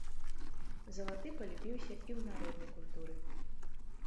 Залаты палюбіўся і ў народнай культуры.